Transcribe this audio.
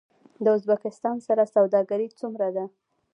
د ازبکستان سره سوداګري څومره ده؟